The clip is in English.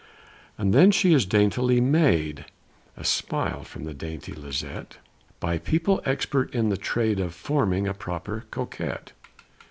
"And then she is daintily made" (A smile from the dainty Lisette) "By people expert in the trade Of forming a proper Coquette.